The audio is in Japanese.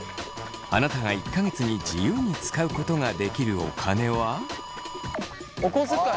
あなたが１か月に自由に使うことができるお金は？お小遣い。